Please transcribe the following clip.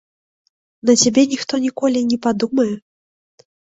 На цябе ніхто ніколі і не падумае.